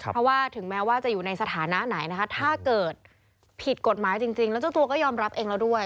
เพราะว่าถึงแม้ว่าจะอยู่ในสถานะไหนนะคะถ้าเกิดผิดกฎหมายจริงแล้วเจ้าตัวก็ยอมรับเองแล้วด้วย